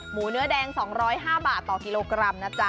เนื้อแดง๒๐๕บาทต่อกิโลกรัมนะจ๊